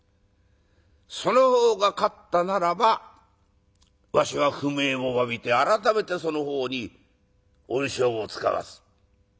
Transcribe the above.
その方が勝ったならばわしは不明をわびて改めてその方に恩賞を遣わす。